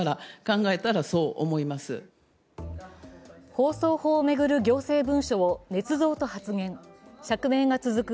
放送法を巡る行政文書をねつ造と発言、釈明が続く